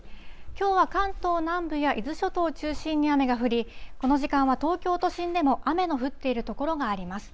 きょうは関東南部や伊豆諸島を中心に雨が降り、この時間は東京都心でも雨の降っている所があります。